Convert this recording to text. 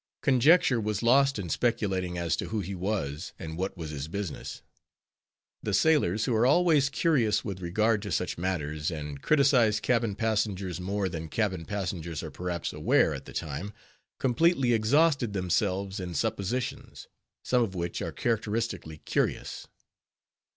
Conjecture was lost in speculating as to who he was, and what was his business. The sailors, who are always curious with regard to such matters, and criticise cabin passengers more than cabin passengers are perhaps aware at the time, completely exhausted themselves in suppositions, some of which are characteristically curious.